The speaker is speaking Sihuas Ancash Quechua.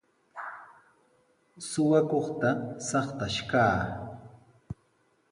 Suqakuqta saytash kaa.